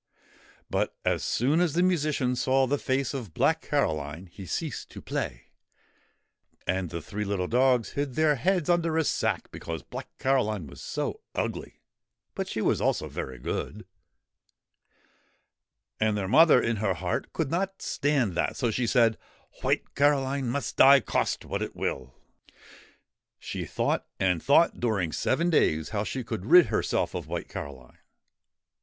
But, as soon as the musician saw the face of Black Caroline, he ceased to play, and the three little dogs hid their heads under a sack because Black Caroline was so ugly but she was also very good. And their mother, in her heart, could not stand that, so she said :' White Caroline must die, cost what it will/' She thought and thought during seven days how she could rid herself of White Caroline.